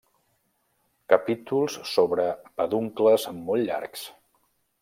Capítols sobre peduncles molt llargs.